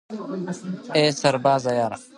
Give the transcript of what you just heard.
ای سربازه یاره